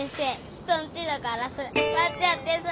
人んちのガラス割っちゃってさ。